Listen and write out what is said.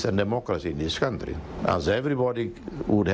ทุกคนเคยเห็นอย่างไรว่า